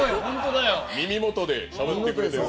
耳元でしゃべってくれてる。